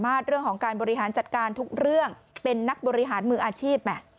เรื่องของการบริหารจัดการทุกเรื่องเป็นนักบริหารมืออาชีพ